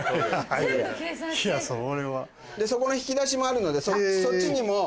そこの引き出しもあるのでそっちにも。